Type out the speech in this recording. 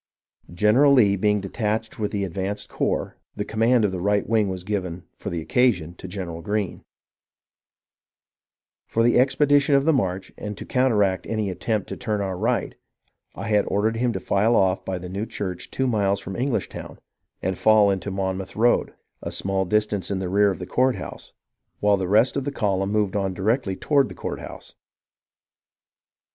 General Lee being detached with the advanced corps, the com mand of the right wing was given, for the occasion, to General Greene. For the expedition of the march, and to counteract any attempt to turn our right, I had ordered him to file off by the new church two miles from Englishtown, and fall into the Monmouth road, a small distance in the rear of the courthouse, while the rest of the column moved on directly toward the courthouse.